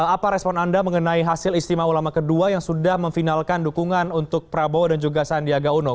apa respon anda mengenai hasil istimewa ulama kedua yang sudah memfinalkan dukungan untuk prabowo dan juga sandiaga uno